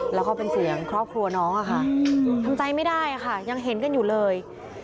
แล้วก็เป็นเสียงครอบครัวน้องอะค่ะทำใจไม่ได้ค่ะยังเห็นกันอยู่เลย